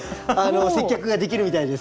接客ができるみたいです。